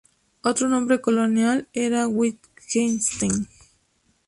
Otro nombre colonial era Wittgenstein.